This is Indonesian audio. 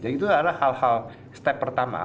jadi itu adalah hal hal step pertama